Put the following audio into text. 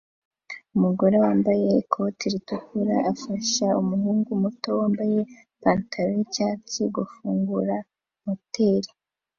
Umugore wambaye ikoti ritukura afasha umuhungu muto wambaye ipantaro yicyatsi gufungura moteri